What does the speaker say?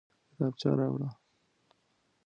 کتابچه راوړه